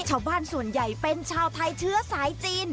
ชาวบ้านส่วนใหญ่เป็นชาวไทยเชื้อสายจีน